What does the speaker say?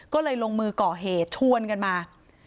ก็เลยลงมือก่อเหตุชวนกันมา